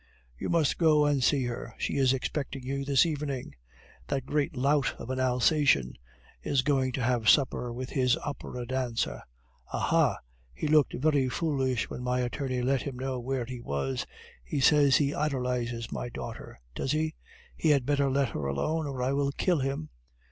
"You must go and see her; she is expecting you this evening. That great lout of an Alsatian is going to have supper with his opera dancer. Aha! he looked very foolish when my attorney let him know where he was. He says he idolizes my daughter, does he? He had better let her alone, or I will kill him.